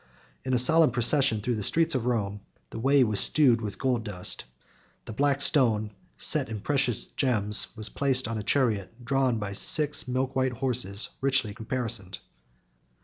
In a solemn procession through the streets of Rome, the way was strewed with gold dust; the black stone, set in precious gems, was placed on a chariot drawn by six milk white horses richly caparisoned.